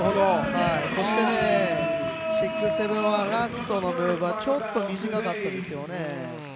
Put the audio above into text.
そして、６７１ラストのムーブはちょっと短かったですね。